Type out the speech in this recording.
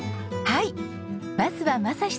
はい。